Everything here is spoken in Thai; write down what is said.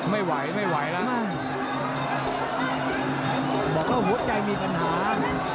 บอกว่างทุกคนเจ้ามีปัญหา